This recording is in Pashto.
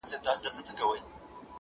له هغه وخته مو خوښي ليدلې غم نه راځي~